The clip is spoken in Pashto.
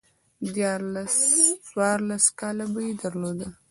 ديارلس، څوارلس کاله به يې درلودل